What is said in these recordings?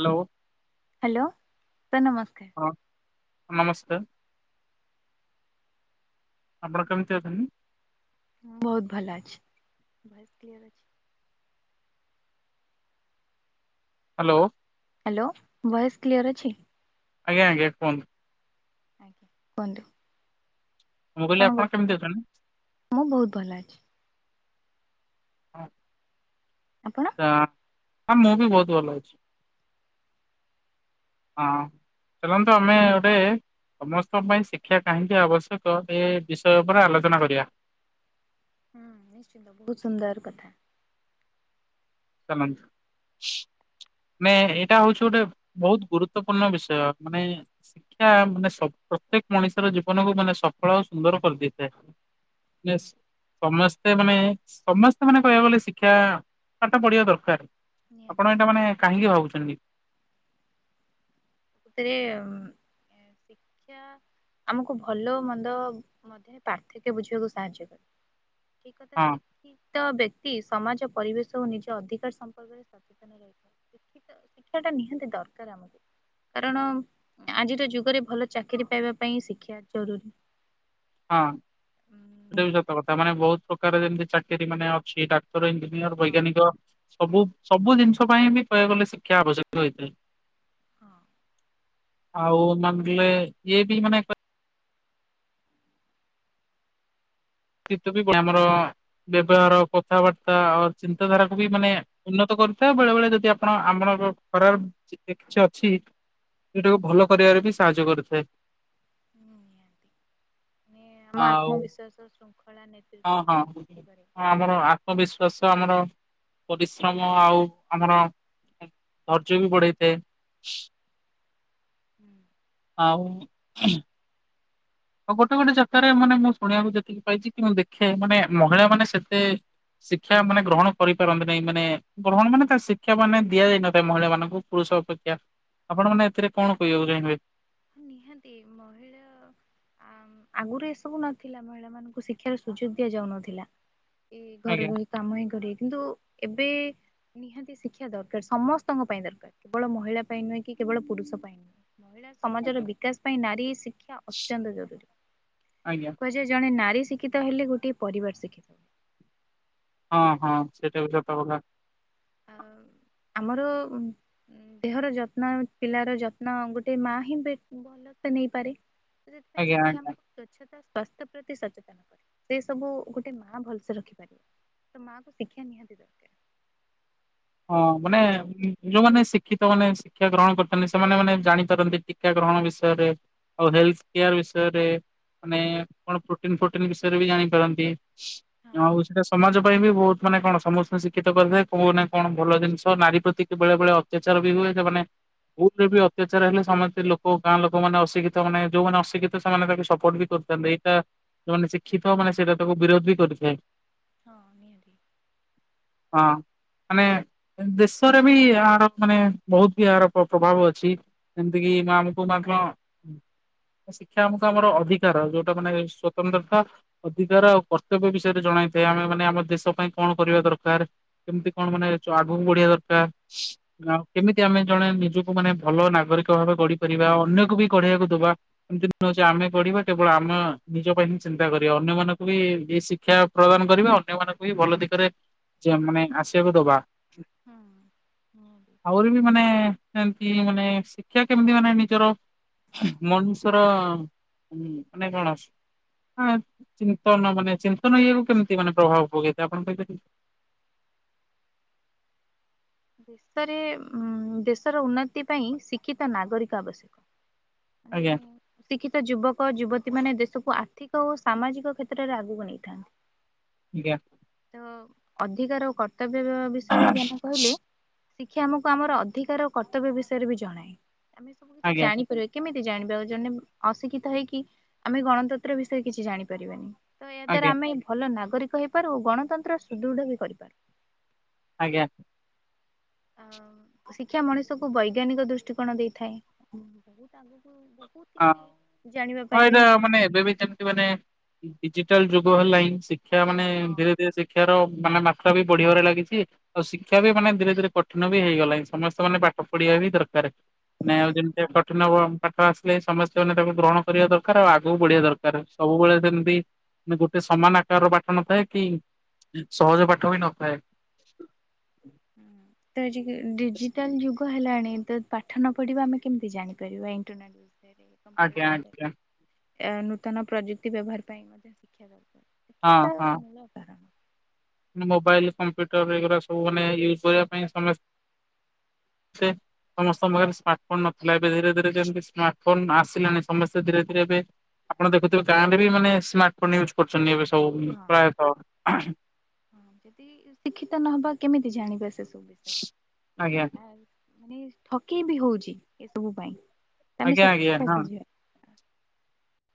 Hello. Hello, sir ନମସ୍କାର। ହଁ ନମସ୍କାର। ଆପଣ କେମତି ଅଛନି? ମୁଁ ବହୁତ ଭଲ ଅଛି। ଭଏସ୍ କ୍ଲିୟର ଅଛି। ହ୍ୟାଲୋ। ହ୍ୟାଲୋ, ଭଏସ୍ କ୍ଲିଅର ଅଛି? ଆଜ୍ଞା, ଆଜ୍ଞା କୁହନ୍ତୁ? ଆଜ୍ଞା, କୁହନ୍ତୁ। ମୁଁ କହିଲି କଣ, ଆପଣ କେମିତି କରୁଥିଲ? ଅଛନ୍ତି? ମୁଁ ବହୁତ ଭଲ ଅଛି। ହ, ଆପଣ? ତ ଆ' ମୁଁ ବି ବହୁତ, ଭଲ ଅଛି। ହଁ ଚାଲନ୍ତୁ, ଆମେ ଗୋଟେ ସମସ୍ତଙ୍କ ପାଇଁ, ଶିକ୍ଷା କାହିଁକି ଆବଶ୍ୟକ? ଏ ବିଷୟ ଉପରେ, ଆଲୋଚନା କରିବା। ହୁଁ, ନିଶ୍ଚିନ୍ତ ବହୁତ ସୁନ୍ଦର କଥା। ଚାଲନ୍ତୁ। ମାନେ, ଏଇଟା ହଉଛି ଗୋଟେ ବହୁତ ଗୁରୁତ୍ୱପୂର୍ଣ୍ଣ ବିଷୟ। ମାନେ ଶିକ୍ଷା, ମାନେ ସବ ପ୍ରତ୍ୟେକ ମଣିଷର ଜୀବନକୁ ମାନେ ସଫଳ ଆଉ ସୁନ୍ଦର କରିଦେଇଥାଏ। ହୁଁ ୟେସ, ସମସ୍ତ ସେ, ମାନେ ସମସ୍ତେ, ମାନେ କହିବାକୁ ଗଲେ, ଶିକ୍ଷା ପାଠ ପଢିବା ଦରକାର। ନିହାତି ଆପଣ ଏଇଟା ମାନେ, କାହିଁକି ଭାବୁଛନ୍ତି? କୋଉଥିରେ ଶିକ୍ଷା ଆମକୁ ଭଲ, ମନ୍ଦ ମଧ୍ୟ ପାର୍ଥକ୍ୟ ବୁଝିବାକୁ, ସାହାଯ୍ୟ କରେ। ଠିକ୍ କଥା ହଁ ଶିଖି ତ ବ୍ୟକ୍ତି ସମାଜ, ପରିବେଶ ଓ ନିଜ ଅଧିକାର ସମ୍ପର୍କରେ, ସଚେତନ ରହିଥାନ୍ତି। ଶିକ୍ଷିତ, ଶିକ୍ଷା ଟା ନିହାତି ଦରକାର ଆମକୁ। କାରଣ, ଆଜିର ଯୁଗରେ ଭଲ ଚାକିରିୀ ପାଇବା ପାଇଁ, ଶିକ୍ଷା ଜରୁରୀ। ହଁ, ଉଁ ସେଟା ବି ସତ କଥା। ମାନେ ବହୁତ ପ୍ରକାର, ଯେମିତି ଚାକିରି ମାନେ ଅଛି, ଟା ତର, ଇଞ୍ଜିନୟର, ହଁ ବୈଜ୍ଞାନିକ ସବୁ, ସବୁ ଜିନିଷ ପାଇଁ ବି କହିବାକୁ ଗଲେ, ଶିକ୍ଷା ଆବଶ୍ୟକ ହେଇଥାଏ। ହଁ ଆଉ' ମାନ ମାନେ ଦିଏ, ଇଏ ବି ମାନେ ଶୀତ ବି ଶିକ୍ଷା ଆମର, ଦେବ ଇଆର କାର୍ଥାବାର୍ତ୍ତା ଅ, ଚିନ୍ତାଧାରାକୁ ବି ମାନେ ଉନ୍ନତ କରିଥାଏ। ବେଳେ, ବେଳେ ଯଦି ଆପଣ, ଆମର ଖରାପ ଚିନ୍ତା କିଛି ଅଛି। ସେଟାକୁ ଭଲ କରିବାରେ, ବି ସାହାଯ୍ୟ କରିଥାଏ। ନିହାତି, ମାନେ, ଆମ ଆଉ ଆତ୍ମବିଶ୍ଵାସ ଶୃଙ୍ଖ ହଁ, ହଁ, ଆମର ଆତ୍ମବିଶ୍ଵାସ ଆମର ପରିଶ୍ରମ ଆଉ' ଆମର, ଧୈର୍ଯ୍ୟ ବି ବଢେଇଥାଏ। ହୁଁ ଆଉ ଆଉ ଗୋଟେ ଗୋଟେ ଜାଗାରେ ମାନେ ମୁଁ ଶୁଣିବାକୁ ଯେତିକି ପାଇଛି କି, ମୁଁ ଦେଖେ, ମାନେ ମହିଳା ମାନେ ସେତେ ଶିକ୍ଷା ମାନେ ଗ୍ରହଣ କରିପାରନ୍ତି ନାଇଁ, ମାନେ ଗ୍ରହଣ ମାନେ ତା ଶିକ୍ଷା ମାନେ ଦିଆଯାଇ ନଥାଏ ମହିଳା ମାନଙ୍କୁ, ପୁରୁଷ ଅପେକ୍ଷା, ଆପଣ ମାନେ ଏଥିରେ କଣ କହିବାକୁ ଚାହିଁବେ? ନିହାତି ମହିଳା ଆମ୍ ଆଗରୁ ଏସବୁ ନଥିଲା, ମହିଳା ମାନଙ୍କୁ ଶିକ୍ଷାର ସୁଯୋଗ ଦିଆଯାଉନଥିଲା। କି ଘରେ ଆଜ୍ଞା। ରହି କାମ ହିଁ କରିବେ, କିନ୍ତୁ ଏବେ ନିହାତି ଶିକ୍ଷା ଦରକାର, ସମସ୍ତଙ୍କ ପାଇଁ ଦରକାର, କେବଳ ମହିଳା ପାଇଁ ନୁହେଁ କି କେବଳ ପୁରୁଷ ପାଇଁ ନୁହେଁ। ମହିଳା ସମାଜର ଆଜ୍ଞା ବିକାଶ ପାଇଁ ନାରୀ ଶିକ୍ଷା ଅତ୍ୟନ୍ତ ଜରୁରୀ, ଆଜ୍ଞା କୁହାଯାଏ- ଜଣେ ନାରୀ ଶିକ୍ଷିତ ହେଲେ, ଗୋଟଏ ପରିବାର ଶିକ୍ଷିତ ହ ହଁ ହଁ ସେଇଟା ବି ସତ କଥା। ଆମର ଉମ ଦେହର ଯତ୍ନ ପିଲାର ଯତ୍ନ ଗୋଟେ ମା ହିଁ ବେ ଭଲ ସେ ନେଇପାରେ, ସେଥିପାଇଁ ଆଜ୍ଞା ଶିକ୍ଷା ଆଜ୍ଞା। ଆମର ସ୍ୱଚ୍ଛତା ତା ସ୍ଵାସ୍ଥ୍ୟ ପ୍ରତି ସଚେତନ କରେ, ସେ ସବୁ ଗୋଟେ ମା ଭଲସେ ରଖିପାରିବେ। ତ ମା କୁ ଶିକ୍ଷା ନିହାତୀ ଦରକାର। ହଁ ମାନେ, ହଁ ଯୋଉମାନେ ଶିକ୍ଷିତ ମାନେ ଶିକ୍ଷା ଗ୍ରହଣ କର ସେମ୍ନି [unintelligible] ସେମାନେ ମାନେ ଜାଣି ପାରନ୍ତି ଟିକା ଗ୍ରହଣ ବିଷୟରେ, ଆଉ ହେଲ୍ଥ କେୟାର ବିଷୟରେ ମାନେ କଣ ପ୍ରୋଟିନ ଫ୍ରୋଟିନ ବିଷୟରେ ବି ଜାଣିପାରନ୍ତି ଆଉ ସେ ସମାଜ ପାଇଁ ବି ବହୁତ ମାନେ କଣ ସମସ୍ତଙ୍କୁ ଶିକ୍ଷିତ କରିଥାଏ କୌନା କଣ ଭଲ ଜିନିଷ ନାରୀ ପ୍ରତି କେବଲିଆ ବଲିଆ ଅତ୍ୟାଚାର ବି ହୁଏ, ସେମାନେ ଭୁତ୍ ରେ ବି ଅତ୍ୟାଚାର ହେଲେ ସମସ୍ତେ ଲୋକ ଗାଁ ଲୋକମାନେେ ଅଶିକ୍ଷିତ ମାନେ ଯୋଉମାନେ ଅଶିକ୍ଷିତ ସେମାନେ ତାକୁ ସପୋର୍ଟ ବି କର। କାରଣ ଏଇଟା ଯଉମନେ ଶିକ୍ଷିତ ମାନେ ସେଇଟା ତାକୁ ବିରୋଧ ବି କରିଥାଏ। ହଁ ନିହାନ୍ତି ହଁ ମାନେ ଦେଶରେ ବି ଏହାର ମାନେ ବହୁତ ବି ଏହାର ପ୍ରଭାବ ଅଛି, ଯେମିତି କିି ମା ଆମକୁ ହଁ ଶିକ୍ଷା ଆମକୁ ଆମର ଅଧିକାର ଯୋଉଟା ମାନେ ସ୍ଵତନ୍ତ୍ରତା ଅଧିକାର ଆଉ କର୍ତ୍ତବ୍ୟ ବିଷୟରେ ଜଣା ପାଇଁ ଥାଇ ଆମେମାନେ ଆମ ଦେଶ ପାଇଁ କଣ କରିବା ଦରକାର, କେମତି କଣ ମାନେ ଆଗକୁ ବଢିବା ଦରକାର ଆଉ କେମିତି ଆମେ ଜଣେ ନିଜକୁ ମାନେ ଭଲ ନାଗରିକ ଭାବେ ଗଢିପାରିବା ଅନ୍ୟକୁ ବିଢିବାକୁ ଦବା [inaudible] ଆମେ ଗଢିବା କେବଳ ଆମେ ନିଜ ପାଇଁ ହିଁ ଚିନ୍ତା କର ଅନ୍ୟ ମାନଙ୍କୁ ବି ଇ ଶିକ୍ଷା ପ୍ରଦାନ କରିବା, ଅନ୍ୟ ମାନଙ୍କୁ ବି ଭଲ ଦିଗରେ ଯା ମାନେ ଆସ ୟେ କୁ ଦବା ହଁ ନିହାତି। ଆହୁରି ବି ମାନେ ଏମତି ହିଁ ମାନେ ଶିକ୍ଷା କେମିତି ମାନେ ନିଜର? ମନିଷର, ମାନେକଣ ଆସ ହଁ ଚିନ୍ତନ, ମାନେ ଚିନ୍ତନ ଇଏକୁ କେମିତି ମାନେ ପ୍ରଭାବ ପକେଇଥା, ଆପଣ କିହି ପାରିବେ? [inaudible] ଦେଶରେ ଉମ ଦେଶର ଉନ୍ନତି ପାଇଁ ଶିକ୍ଷିତ ନାଗରିକ ଆବଶ୍ୟକ ଆଜ୍ଞା ସି କି [unintelligible] ସେ ଯୁବକ ଯୁବତୀ ମାନ ଦେଶକୁ ଆର୍ଥିକ ଓ ସାମାଜିକ କ୍ଷେତ୍ରରେ ଆଗକୁ ନେଇଥାନ୍ତି। ଆଜ୍ଞା। ଓ ଅଧିକାର ଓ କର୍ତ୍ତବ୍ୟ-ବ୍ୟ ବିଷୟରେ ଜ୍ଞାନ କହିଲେ ଶିକ୍ଷା ଆମକୁ ଆମର ଅଧିକାର କର୍ତ୍ତବ୍ୟ ବିଷୟରେ ବି ଜଣାଏ, ଆମେ ସବୁ କିଛି ଆଜ୍ଞା ଜାଣିପାରିବା, କେମିତି? ଜାଣିବା ଔଜନେମ୍ ଅଶିକ୍ଷିତ ହେଇକି ଆମେ ଗଣତନ୍ତ୍ର ବିଷୟରେ କିଛି ଜାଣିପାରିବାନି। ତ ଏହା ଦ୍ଵାରା ଆଜ୍ଞା ଆମେ ଭଲ ନାଗରିକ ହେଇପାରୁ ଓ ଗଣତନ୍ତ୍ର ସୁଦୃଢ ବି କରିପାରୁ। ଆଜ୍ଞା। ଅ ଶିକ୍ଷା ମଣିଷକୁ ବୈଜ୍ଞାନିକ ଦୃଷ୍ଟିକୋଣ ଦେଇଥାଏ ବହୁତ ହଁ କିଛି ଜାଣିବା [inaudible] ହଁ ପାଇଁ ଏଇଟା ବି ମାନେ ଏବେ ବି ଯେମିତି ମାନେ ଡିଜିଟାଲ ଯୁଗ ହେଲାଣିିଁ ଶିକ୍ଷା ମାନେ ହଁ ଧୀରେ ଧୀରେ ଶିକ୍ଷାର ମାନେ ମାତ୍ରା ବି ବଢିବାରେ ଲାଗିଛି ଆଉ ଶିକ୍ଷା ବି ମାନେ ଧୀରେ ଧୀରେ କଠିନ ବି ହେଇଗଲାଣି ସମସ୍ତେ ମାନେ ପାଠ ପଢିବା ବି ଦରକାର ନାଇ ଆଉ ଯେମିତି କଠିନ ବ ପାଠ ଆସି ଲେ ସମସ୍ତେ ମାନେ ତାକୁ ଗ୍ରହଣ କରିବା ଦରକାର ଆଉ ଆଗକୁ ବଢିବା ଦରକାର ସବୁବେଳେ ସେମତି ମାନେ ଗୋଟେ ସମାନ ଆକାର ପାଠ ନଥାଏ କି ସହଜ ପାଠ ବି ନଥାଏ ତ ଆଜିକା ଡିଜିଟାଲ ଯୁଗ ହେଲାଣି କିନ୍ତୁ ପାଠ ନ ପଢ଼ିବା ଆମେ କେମିତି ଜାଣିପାରିବା ଇଣ୍ଟରନେଟ ବିଷୟରେ କମ୍ପୁଟର ଆଜ୍ଞା ଆଜ୍ଞା ବିଷୟରେ ନୂତନ ପ୍ରଯୁକ୍ତି ବ୍ୟବହାର ପାଇଁ ହଁ ହଁ [unintelligible] ମୋବାଇଲ କମ୍ପ୍ୟୁଟର ଏଗୁଡା ସବୁ ମାନେ ଇଏ କରିବା ପାଇଁ ସମସ୍ତେ ସେ ସମସ୍ତଙ୍କ ପାଖରେ ସ୍ମାର୍ଟ ଫୋନ ନଥିଲା ଏବେ ଧୀରେ ଧୀରେ ଯେମିତି ସ୍ମାର୍ଟ ଫୋନ ଆସିଲାଣି ସମସ୍ତେ ଧୀରେ ଧୀରେ ଏବେ ଆପଣ ଦେଖୁଥିବେ ଗାଁ ରେ ବି ମାନେ ସ୍ମାର୍ଟ ଫୋନ ୟୁଜ୍ କରୁଛନ୍ତି ଏବେ ସବୁ ହଁ ପ୍ରାୟତଃ। ଯଦି ଶିକ୍ଷିତ ନହବା କେମିତି ଜାଣିବା ସେ ସବୁ ଆଜ୍ଞା ବିଷୟରେ ଆ ମାନେ ଠକେଇ ବି ହଉଛି ଏସବୁ ପାଇଁ। ଆମେ ଆଜ୍ଞା ଆଜ୍ଞା ସେଥିରେ ହଁ। ଫସିଯିବା।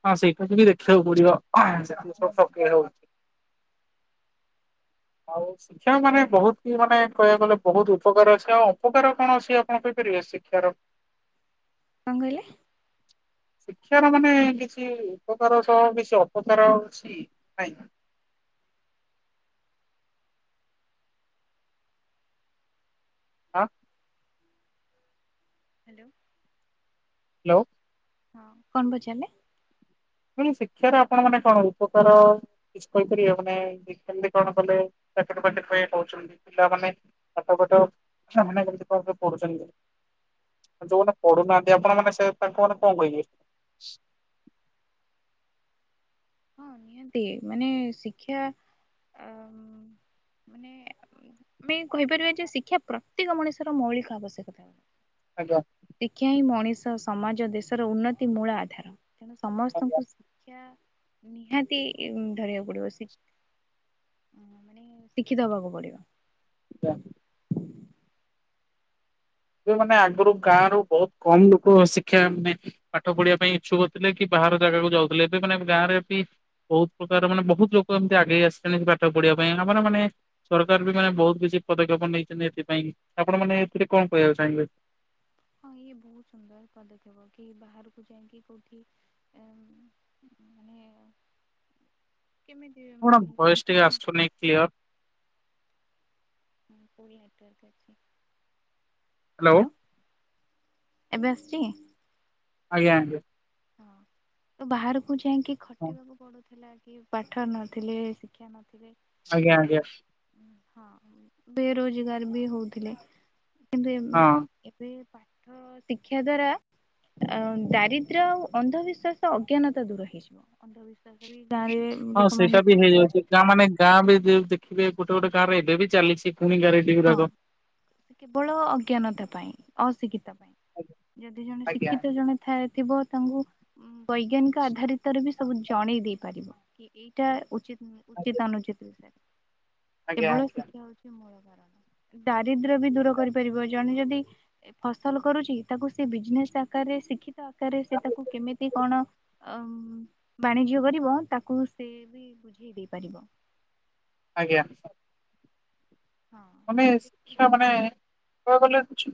ହଁ ସେଇଟାକୁ ବି ଦେଖିବାକୁ ପଡିବଯେତିକ ସବୁ ଠକେଇ ହଉଛି। ଆଉ ଶିକ୍ଷା ମାନେ ବହୁତ କି ମାନେ କହିବାକୁ ଗଲେ ବହୁତ ଉପକାର ଅଛି ଆଉ ଅପକାର କଣ ଅଛି ଆପଣ କହି ପା ରିବେ ଶିକ୍ଷାର? କଣ କହିଲେ? ଶିକ୍ଷାର ମାନେ କିଛି ଉପକାର ସହ କିଛି ଅପକାର ଅଛି ନାଇଁ। ହ। ହ୍ୟାଲୋ। ହ୍ୟାଲୋ। ହଁ କଣ ପଚାରିଲେ? ମୁଁ କହିଲି ଶିକ୍ଷାର ଆପଣ ମାନେ କଣ ଉପକାର କିଛି କହିପାରିବେ ମାନେ କେମିତି କଣ କଲେ [unintelligible] ପିଲାମାନେ ପାଠ ପାଠ ଛୁଆମାନେ କେମିତି କଣ ପଢୁଛନ୍ତି। ଯୋଉମାନେ ପଢୁନାହାନ୍ତି ଆପଣମାନେ ସେ ତାଙ୍କୁ ମାନଙ୍କୁ କଣ କହିବେ? ହଁ ନିହାତି ମାନେ ଶିକ୍ଷା ଆ ମାନେ ଆମେ କହିପାରିବା ଯେ ଶିକ୍ଷା ପ୍ରତ୍ୟେକ ମଣିଷର ମୌଳିକ ଆବଶ୍ୟକତା। ଆଜ୍ଞା ଶିକ୍ଷା ହିଁ ମଣିଷ ସମାଜ ଦେଶର ଉନ୍ନତି ମୂଳ ଆଧାର। ତେଣୁ ସମସ୍ତଙ୍କୁ ଆଜ୍ଞା ଶିକ୍ଷା ନିହାତି ଧରିବାକୁ ପଡିବ ଶି ମାନେ ଶିକ୍ଷିତ ହବାକୁ ପଡିବ। ଜ୍ଞା ଯୋଉ ମାନେ ଆଗରୁ ଗାଁ ରୁ ବହୁତ କମ ଲୋକ ଶିକ୍ଷା ମାନେ ପାଠ ପଢିବା ପାଇଁ ଇଚ୍ଛୁକ ଥିଲେ କି ପା ବାହାର ଜାଗାକୁୁ ଯାଉଥିଲେ ଏବେ ମାନେ ଗାଁରେ ବି ବହୁତ ପ୍ରକାର ମାନେ ବହୁତ ଲୋକ ଏମିତି ଆଗେଇ ଆସିଲେଣି ପାଠ ପଢିବା ପାଇଁ ଆମର ମାନେ ସରକାର ବି ମାନେ ବହୁତ କିଛି ପଦକ୍ଷେପ ନେଇଛନ୍ତି ଏଥିପାଇଁ ଆପଣ ମାନେ ଏଥିରେ କଣ କହିବାକୁ ଚାହିଁବେ? ହଁ ଇଏ ବହୁତ ସୁନ୍ଦର ପଦକ୍ଷେପ କି ବାହାରକୁ ଯାଇକି କୋଉଠି ଏଁ ମାନେ କେମିତି କଣ ଭଏସ୍‌ ଟିକେ ଶିକ୍ଷା ଆସୁନି କ୍ଲିୟର? ହୁଁ ଫୁଲ ନେଟୱାର୍କ ଅଛି। ହ୍ୟାଲୋ ଏବେ ଆସୁଛି? ଆଜ୍ଞା ଆଜ୍ଞା। ହଁ ତ ବାହାରକୁ ଯାଇକି ହଁ ଖଟିବାକୁ ପଡୁଥିଲା କି ପାଠ ନଥିଲେ ଶିକ୍ଷା ନଥିଲେ ଆଜ୍ଞା କି ଆଜ୍ଞା ହଁ ବେରୋଜଗାର ବି ହଉଥିଲେ କିନ୍ତୁ ଏଁ ହଁ ଏବେ ପା ଠ ଶିକ୍ଷା ଦ୍ଵାରା ଦାରିଦ ଦ୍ର ଆଉ ଅନ୍ଧବିଶ୍ୱାସ ଅଜ୍ଞାନତା ଦୂର ହେଇଯିବ ଅନ୍ଧ ଅନ୍ଧବିଶ୍ୱା ହଁ ସେଇଟା ବି ହେଇଯାଉଛି ଗାଁ ମାନେ ଗାଁ ବି ଯେ ଦେଖିବେ ଗୋଟେ ଗୋଟେ ଗାଁ ରେ ଏବେ ବି ଚାଲିଛି। ରେଡି ହଁ ଗୁରାକ। କେବଳ ଅଜ୍ଞାନତା ପାଇଁ ଅଶିକ୍ଷୀତା ପାଇଁ। ଯଦି ଜଣେ ଆଜ୍ଞା ଆଜ୍ଞା ଶିକ୍ଷିତ ଜଣେ ଥାଏ ଥିବ। ତାଙ୍କୁ ବୈଜ୍ଞାନିକ ଆଧାରିତରେ ବି ସବୁ ଜଣେଇ ଦେଇ ପାରିବ କି ଏଇଟା ଉଚିତ। ହୁଁ ଉଚିତ ଅନୁଚିତ ବିଷୟ ରେ। ଆଜ୍ଞା କେବଳ ଆଜ୍ଞା ଶିକ୍ଷା ହଉଛି ମୂଳ ଭା ଦାରିଦ୍ର୍ୟ ବି ଦୂର କରିପାରିବ ଜଣେ ଯଦି। ଏ ଫସଲ କରୁଛି ତାକୁ ସେ ବିଜନେସ ଆକାରରେ ଶିକ୍ଷିତ ଆକାରରେ ସେ ଆଜ୍ଞା। ତାକୁ କେମିତି କଣ। ଅ-ମ ବାଣିଜ୍ୟ କରିବ ତାକୁ ସେ ବି ବୁଝେଇ ଦେଇ ପାରିବ। ଆଜ୍ଞା ସାର୍। ହଁ ମାନେ ତାହେଲେ ଶିକ୍ଷା ମାନେ। [unintelligible] ଗଲେ କିଛି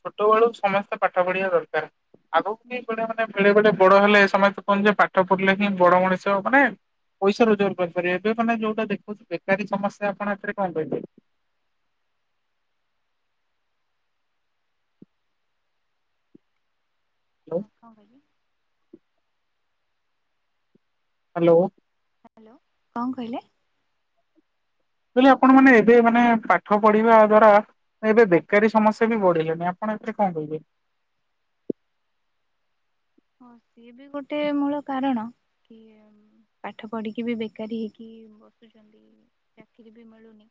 ଛୋଟ ବେଳୁ ସମସ୍ତେ ପାଠ ପଢିବା ଦରକାର। ଆଗକୁ କେହି କହିବ ମାନେ ବେଳେ ବେଳେ ବଡ ହେଲେ ସମସ୍ତେ କୁହନ୍ତି ଯେ ପାଠ ପଢିଲେ ହିଁ ବଡ ମଣିଷ ମାନେ। ପଇସା ରୋଜଗାର କରିପାରିବେ ଏବେ ମାନେ ଯୋଉଟା ଦେଖଉଛି ବେକାରୀ ସମସ୍ୟା ଆପଣ ଆ ଥୀଏରରେ କଣ କହିବେ। ହଁ କଣ କହିଲେ? ହାଲୋ ହାଲୋ କଂ କହିଲେ। କଇଲି ଆପଣ ମାନେ ଏବେ ମାନେ ପାଠ ପଢିବା ଦ୍ଵାରା। ଏବେ ବେକାରୀ ସମସ୍ୟା ବି ବଢିଲାଣିି ଆପଣ ଏଥିରେ କଣ କହିବେ? ହଁ ସିଏ ବି ଗୋଟେ ମୂଳ କାରଣ। କିଏ ପାଠ ପଢ଼ିକି ବି ବେକାରୀ ହେଇକି ବସୁଛନ୍ତି ଚାକିରୀ ବି ମିଳୁନି।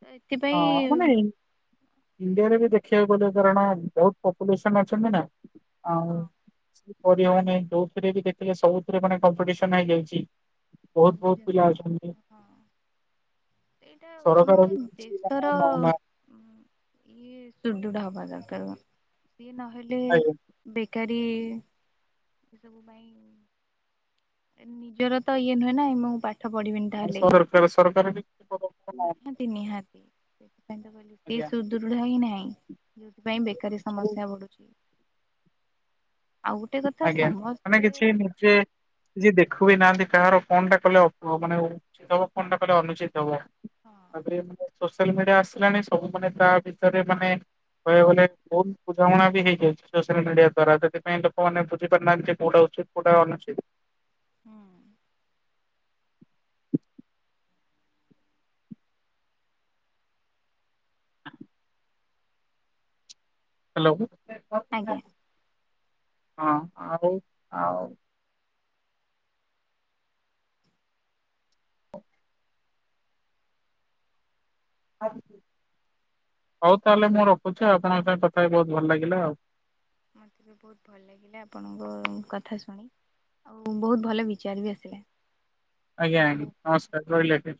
ତ ଏଥିପାଇଁ ହଁ ମାନେ ଇଣ୍ଡିଆରେ ବି ଦେଖ। ଦେଖିଆକୁ ଗଲେ କାରଣ ବହୁତ ପପୁଲେସନ ଅଛନ୍ତି ନା ହଁ ଆଉ। କରି ହଉନି ଯୋଉଥିରେ ବି ଦେଖିଲେ ସବୁଥିରେ ମାନେ କମ୍ପିଟେସନ ହେଇଯାଇଛି। ବହୁତ ସବୁ ବହୁତ ପିଲା ଜିନିଷ ଅଛନ୍ତି ହଁ ଏଇଟା ଆମ ସରକାର ବି ଦେ କିଛି ଶ ମାନେ ର ନଉନାହାନ୍ତି ଇଏ ଶୁଧ୍ରୁଡ ହବା ଦରକାର। ଇଏ ନହେଲେ ବେକାରୀ ଏସବୁ ପାଇଁ। ନିଜର ତ ଇଏ ନୁହେଁ ନା ଏମ ପା ଆଉ ସରକାର ସରକାର କିଛି ପଦକ୍ଷେପ ନଉ ନିହାତି ନିହାତି ସେଥିପାଇଁ ତ କହିଲି ପି ସୁଦୃଢ ହିଁ ନାହିଁ। ଯୋଉଥିପାଇଁ ବେକାରୀ ସମସ୍ୟା ବଢୁଛି। ଆଉ ଗୋଟେ କଥା ଆଜ୍ଞା ମାନେ ସମସ୍ତେ କିଛି ନିଜେ। କିଛି ଦେଖୁିବି ନାହାନ୍ତି କାହାର କଣଟା କଲେ ଅ ମାନେ ଉଚିତ ହବ କଣ ଟା କଲେ ଅନୁଚିତ ହବ। ହଁ ତାପରେ ସୋସିଆଲ ମିଡିଆ ଆସିଲାଣି ସବୁ ମାନେ ତା ଭିତରେ ମାନେ। କହିଆକୁଗଲେ ବହୁତ ବୁଝାମଣା ବି ହେଇଯାଉଛି ସୋସିଆଲ ମିଡିଆ ଦ୍ଵାରା ସେଥିପାଇଁ ଲୋ କ ମାନେ ବୁଝିପାରୁ ନାହାନ୍ତି ଯେ କୋଉଟା ଉଚିତ କୋଉଟା ଅନୁଚିତ। ହୁଁ। ହାଲୋ। ଆଜ୍ଞା। ହଁ ଆଉ ଆଉ! [unintelligible] ହଉ ତାହେଲେ ମୁଁ ରଖୁଛି ଆପଣଙ୍କ ସଙ୍ଗେ କଥା ହେଇ ବହୁତ ଭଲ ଲାଗିଲା ଆଉ। ମତେ ବି ବହୁତ ଭଲ ଲାଗିଲା ଆପଣଙ୍କ କଥା ଶୁଣି। ଆଉ ବହୁତ ଭଲ ବିଚାର ବି ଆସିଲା। ଆଜ୍ଞା ଧନ୍ୟବାଦ ନମସ୍କାର ରହିଲି ଆଜ୍ଞା।